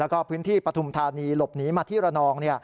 แล้วก็พื้นที่ปฐุมธานีหลบหนีมาที่ระนอง